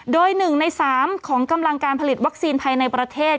โดย๑ใน๓ของกำลังการผลิตวัคซีนภายในประเทศ